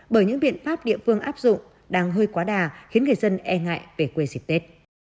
bởi những biện pháp địa phương áp dụng đang hơi quá đà khiến người dân e ngại về quê dịp tết